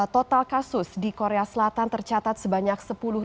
total kasus di korea selatan tercatat sebanyak sepuluh lima ratus tiga puluh tujuh